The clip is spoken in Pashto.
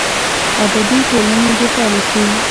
ادبي ټولنې دې فعاله سي.